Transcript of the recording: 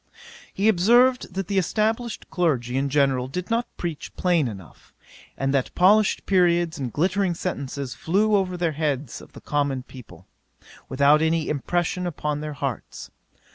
'He observed, that the established clergy in general did not preach plain enough; and that polished periods and glittering sentences flew over the heads of the common people, without any impression upon their hearts.